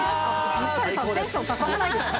水谷さん、テンション高くないですか。